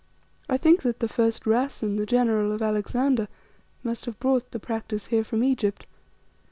I think that the first Rassen, the general of Alexander, must have brought the practice here from Egypt.